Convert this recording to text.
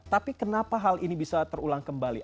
tapi kenapa hal ini bisa terulang kembali